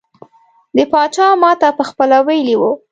د پاچا ماته پخپله ویلي وو.